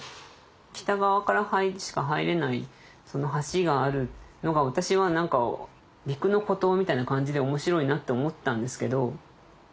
北側からしか入れないその橋があるのが私は何か陸の孤島みたいな感じで面白いなって思ったんですけど。